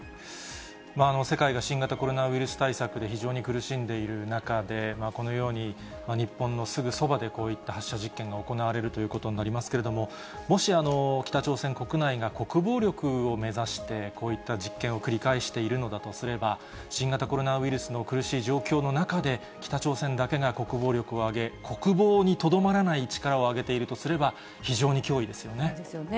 世界が新型コロナウイルス対策で非常に苦しんでいる中で、このように日本のすぐそばで、こういった発射実験が行われるということになりますけれども、もし北朝鮮国内が国防力を目指して、こういった実験を繰り返しているのだとすれば、新型コロナウイルスの苦しい状況の中で、北朝鮮だけが国防力を上げ、国防にとどまらない力を上げているとすれば、非常に脅威ですよね。